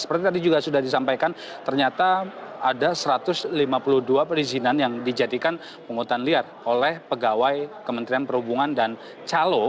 seperti tadi juga sudah disampaikan ternyata ada satu ratus lima puluh dua perizinan yang dijadikan penghutang liar oleh pegawai kementerian perhubungan dan calo